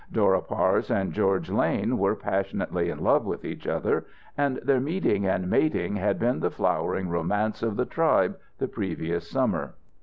Dora Parse and George Lane were passionately in love with each other, and their meeting and mating had been the flowering romance of the tribe, the previous summer.